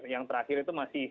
yang terakhir itu masih